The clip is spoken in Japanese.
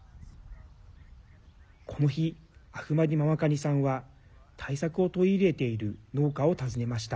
この日アフマディママカニさんは対策を取り入れている農家を訪ねました。